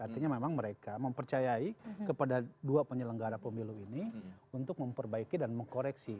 artinya memang mereka mempercayai kepada dua penyelenggara pemilu ini untuk memperbaiki dan mengkoreksi